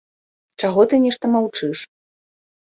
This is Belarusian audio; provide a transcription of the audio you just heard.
Чаго ты нешта маўчыш!